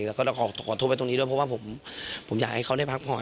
แล้วก็ขอโทษไว้ตรงนี้ด้วยเพราะว่าผมอยากให้เขาได้พักผ่อน